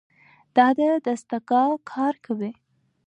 دا دستګاه کار کوي.